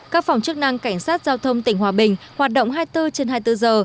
các phòng chức năng cảnh sát giao thông tỉnh hòa bình hoạt động hai mươi bốn trên hai mươi bốn giờ